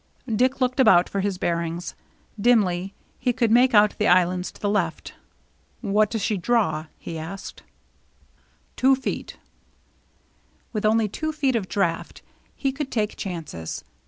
Dick looked about for his bearings. Dimly he could make out the islands to the left. " What does she draw ?" he asked. THE CHASE BEGINS 241 " Two feet." With only two feet of draft he could take chances.